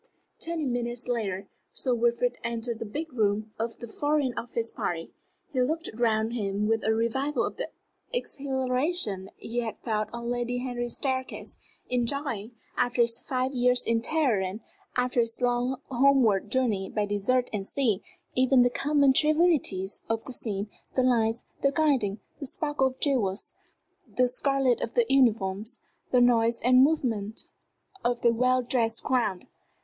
Twenty minutes later, Sir Wilfrid entered the first big room of the Foreign Office party. He looked round him with a revival of the exhilaration he had felt on Lady Henry's staircase, enjoying, after his five years in Teheran, after his long homeward journey by desert and sea, even the common trivialities of the scene the lights, the gilding, the sparkle of jewels, the scarlet of the uniforms, the noise and movement of the well dressed crowd.